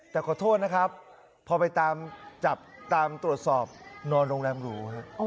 แต่ขอโทษนะครับพอไปตามจับตามตรวจสอบนอนโรงแรมหรู